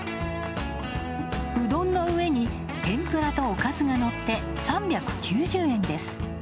うどんの上に天ぷらとおかずがのって３９０円です。